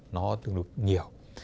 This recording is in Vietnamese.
nó tương đối nhiều